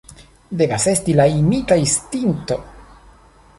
Devas esti la imita instinkto!